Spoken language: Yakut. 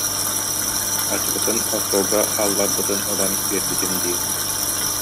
Ачыкытын остуолга хаалларбытын ылан биэрбитим диир